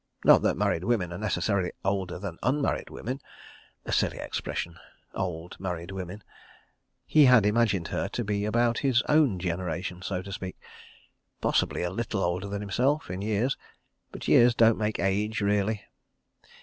Not that married women are necessarily older than unmarried women. ... A silly expression—"old" married women. He had imagined her to be about his own generation so to speak. Possibly a little older than himself—in years—but years don't make age really.